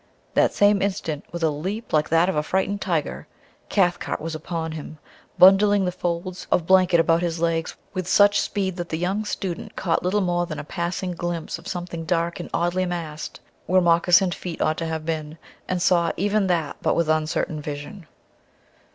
That same instant, with a leap like that of a frightened tiger, Cathcart was upon him, bundling the folds of blanket about his legs with such speed that the young student caught little more than a passing glimpse of something dark and oddly massed where moccasined feet ought to have been, and saw even that but with uncertain vision.